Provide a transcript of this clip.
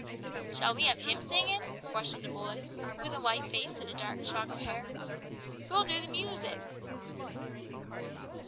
"Shall we have hymn singin'?" questioned a boy, with a white face and dark shock of hair. "Who'll do the moosic?"